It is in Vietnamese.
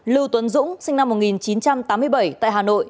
lưu tuấn dũng sinh năm một nghìn chín trăm tám mươi bảy tại hà nội